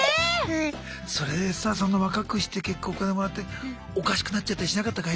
それでさそんな若くして結構お金もらっておかしくなっちゃったりしなかったかい？